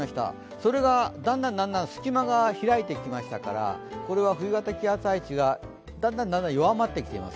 それがだんだん隙間が開いてきましたからこれは冬型気圧配置がだんだん弱まってきています。